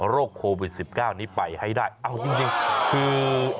โควิด๑๙นี้ไปให้ได้เอาจริงคือ